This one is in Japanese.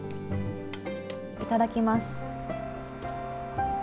いただきます。